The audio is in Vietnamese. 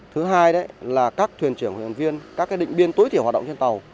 thứ hai là các thuyền trưởng thuyền viên các định biên tối thiểu hoạt động trên tàu